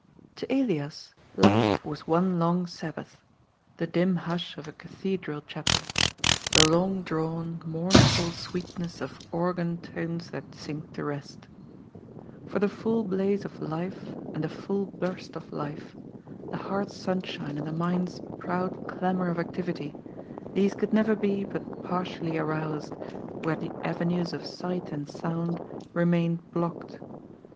To Elias life was one long Sabbath. The dim hush of a cathedral chapel. The long drawn, moumf ul sweetness of organ tones that sink to rest For the full blaze of life and the full burst of life, the hearths sunshine and the mind's proud clamour of actiyity, these could never be but partially aroused, where the ave nues of sight and sound remained blocked.